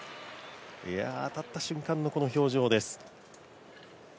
当たった瞬間の、この表情です。